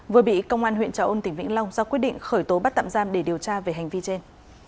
vừa bị công an huyện trà ôn tỉnh vĩnh long ra quyết định khởi tố bắt tạm giam để điều tra về hành vi trên